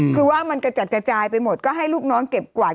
คือว่ามันกระจัดกระจายไปหมดก็ให้ลูกน้องเก็บกวาด